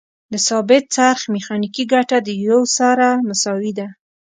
د ثابت څرخ میخانیکي ګټه د یو سره مساوي ده.